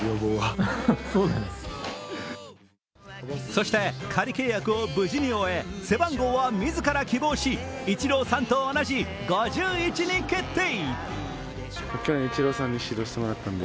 そして仮契約を無事に終え背番号は自ら希望しイチローさんと同じ５１に決定。